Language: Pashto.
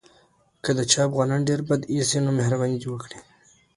که د چا افغانان ډېر بد ایسي نو مهرباني دې وکړي.